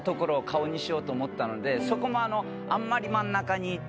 そこもあんまり。